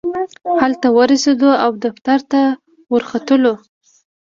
هلته ورسېدو او دفتر ته ورختلو.